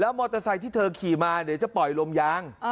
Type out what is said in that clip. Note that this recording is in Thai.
แล้วมอเตอร์ไซด์ที่เธอขี่มาจะปล่อยลมยาง